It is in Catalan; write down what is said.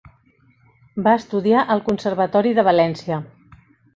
Va estudiar al Conservatori de València.